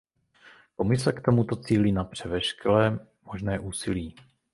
Komise k tomuto cíli napře veškeré možné úsilí.